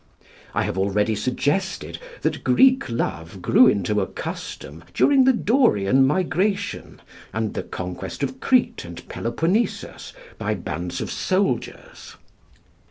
I have already suggested that Greek love grew into a custom during the Dorian migration and the conquest of Crete and Peloponnesus by bands of soldiers.